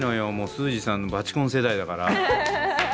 スージーさんのバチコン世代だから。